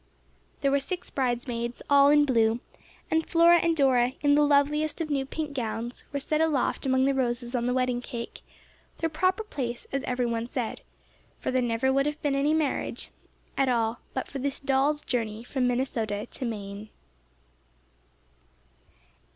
There were six bridesmaids, all in blue, and Flora and Dora, in the loveliest of new pink gowns, were set aloft among the roses on the wedding cake, their proper place as everyone said, for there never would have been any marriage at all but for this Doll's Journey From Minnesota to Maine.